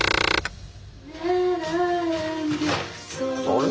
あれ？